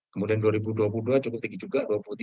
kemudian dua ribu dua puluh dua cukup tinggi juga dua puluh tiga